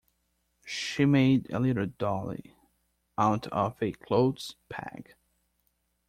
She made a little dolly out of a clothes peg